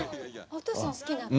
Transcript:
お父さん好きなの？